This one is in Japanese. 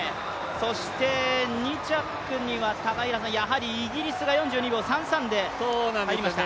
そして２着にはやはりイギリスが４２秒３３で入りました。